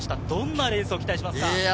どんなレースを期待しますか？